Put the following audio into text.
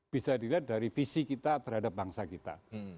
bisa dilihat dari visi kita terhadap bangsa kita